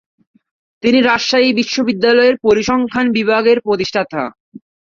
তিনি রাজশাহী বিশ্ববিদ্যালয়ের পরিসংখ্যান বিভাগের প্রতিষ্ঠাতা।